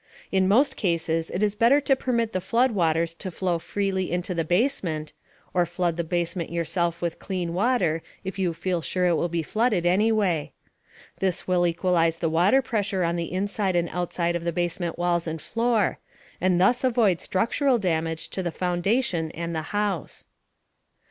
In most cases it is better to permit the flood waters to flow freely into the basement (or flood the basement yourself with clean water, if you feel sure it will be flooded anyway). This will equalize the water pressure on the inside and outside of the basement walls and floor, and thus avoid structural damage to the foundation and the house.